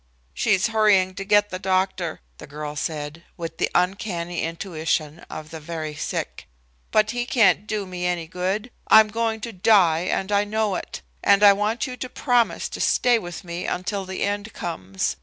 "She's hurrying to get the doctor," the girl said, with the uncanny intuition of the very sick, "but he can't do me any good. I'm going to die and I know it. And I want you to promise to stay with me until the end comes.